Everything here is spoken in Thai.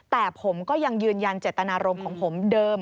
แต่ผมก็ยังยืนยันเจตนารมณ์ของผมเดิม